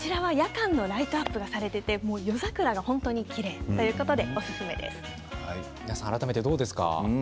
こちらは夜間のライトアップがされていて、夜桜が本当にきれいということでおすすめです。